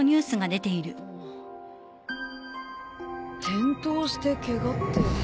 「転倒してケガ」って。